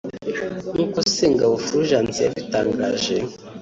nk’uko Sengabo Furgence yabitangaje